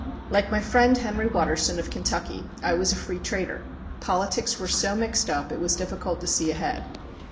Like my friend Henry Watterson, of Kentucky, I was a Free Trader. Politics were so mixed up it was difficult to see ahead.